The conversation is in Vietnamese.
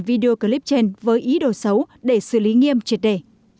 video clip trên với ý đồ xấu để xử lý nghiêm triệt đề